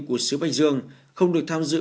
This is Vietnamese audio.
của xứ bạch dương không được tham dự